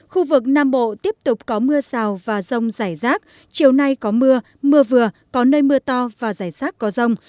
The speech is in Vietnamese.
khu vực nam bộ tiếp tục có mưa rào và rông rải rác chiều nay có mưa mưa vừa có nơi mưa to và rải rác có rông